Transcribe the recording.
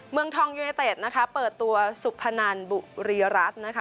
เมืองทองยูเนเต็ดนะคะเปิดตัวสุพนันบุรีรัฐนะคะ